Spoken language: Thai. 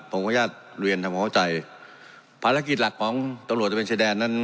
ของของขวัญญาติเรียนทำของเข้าใจภารกิจหลักของตำลวดตำเป็นชายแดนนั้น